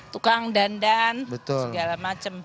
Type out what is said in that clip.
tukang dandan segala macam